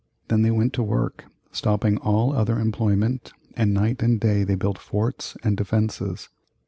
Then they went to work, stopping all other employment, and night and day they built forts and defences.